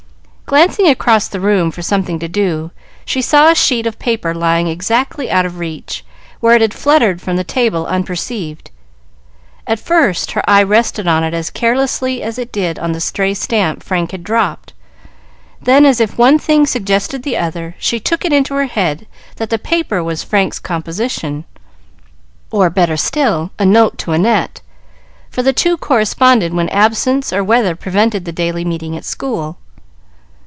Glancing about the room for something to do, she saw a sheet of paper lying exactly out of reach, where it had fluttered from the table unperceived. At first her eye rested on it as carelessly as it did on the stray stamp Frank had dropped; then, as if one thing suggested the other, she took it into her head that the paper was Frank's composition, or, better still, a note to Annette, for the two corresponded when absence or weather prevented the daily meeting at school.